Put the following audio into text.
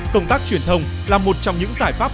công tác truyền thông là một trong những giải pháp